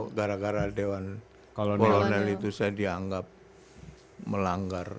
kpk sekarang gitu di bawah kepemimpinan firdy bahuri yang melanggar